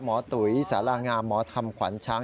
หมอตุ๋ยสารงามหมอธรรมขวานช้าง